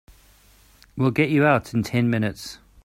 We'll get you out in ten minutes.